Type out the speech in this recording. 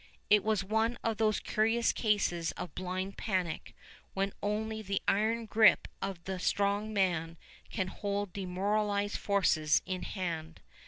It was one of those curious cases of blind panic when only the iron grip of a strong man can hold demoralized forces in hand.